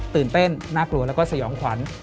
ตื่นเต้นน่ากลัวแล้วก็สยองขวัญ